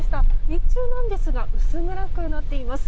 日中なんですが薄暗くなっています。